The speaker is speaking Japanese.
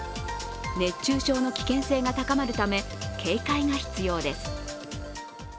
熱中症の危険性が高まるため警戒が必要です。